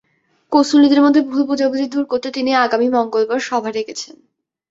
কৌঁসুলিদের মধ্যে ভুল বোঝাবুঝি দূর করতে তিনি আগামী মঙ্গলবার সভা ডেকেছেন।